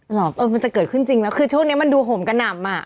เหรอเออมันจะเกิดขึ้นจริงไหมคือโชคในมันอาจมันดูหมกระหน่ำอ่ะ